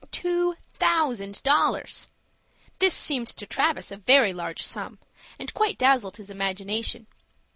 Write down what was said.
Two thousand dollars! This seemed to Travis a very large sum, and quite dazzled his imagination.